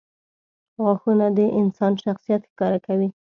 • غاښونه د انسان شخصیت ښکاره کوي.